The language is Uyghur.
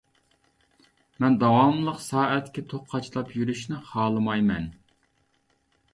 مەن داۋاملىق سائەتكە توك قاچىلاپ يۈرۈشنى خالىمايمەن.